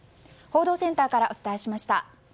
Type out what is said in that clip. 報道センターからお伝えしました。